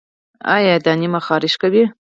ایا دانې مو خارښ کوي؟